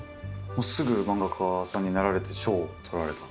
もうすぐ漫画家さんになられて賞をとられた？